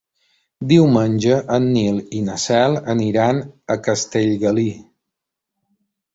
Diumenge en Nil i na Cel aniran a Castellgalí.